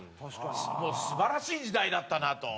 素晴らしい時代だったなと。